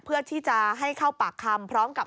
เพื่อที่จะให้เข้าปากคำพร้อมกับ